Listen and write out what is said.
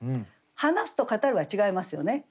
「話す」と「語る」は違いますよね。